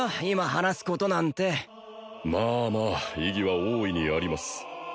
今話すことなんてまあまあ意義は大いにあります